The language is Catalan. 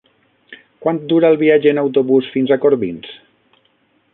Quant dura el viatge en autobús fins a Corbins?